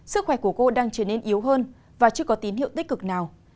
sức khỏe của cô đang trở nên yếu hơn và chưa có tín hiệu tích cực nào